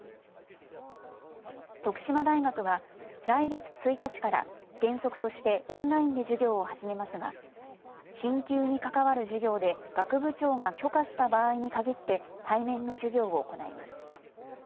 徳島大学は来月１日から原則としてオンラインで授業を始めますが進級に関わる授業で学部長が許可した場合にかぎって対面の授業を行います。